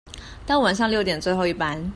到晚上六點最後一班